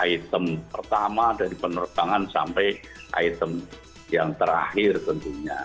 item pertama dari penerbangan sampai item yang terakhir tentunya